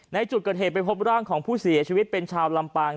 ในจุดเกิดเหตุไปพบร่างของผู้เสียชีวิตเป็นชาวลำปาง